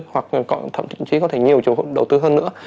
hoặc thậm chí có thể nhiều chủ đầu tư hơn nữa